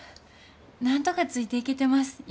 なんとかついていけてます。